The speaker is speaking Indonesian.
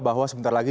bahwa sebentar lagi